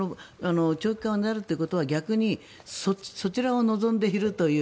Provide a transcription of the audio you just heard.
長期化を狙うということは逆にそちらを望んでいるという。